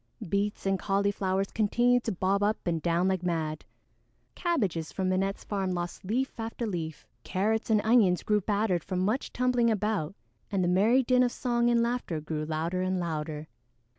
Beets and Cauliflowers continued to bob up and down like mad; Cabbages from Minette's farm lost leaf after leaf; Carrots and Onions grew battered from much tumbling about, and the merry din of song and laughter grew louder and louder.